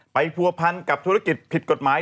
ผัวพันกับธุรกิจผิดกฎหมาย